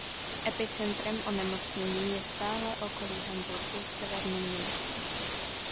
Epicentrem onemocnění je stále okolí Hamburku v severním Německu.